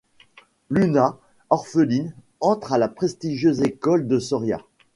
Luna, orpheline, entre à la prestigieuse école de Soria.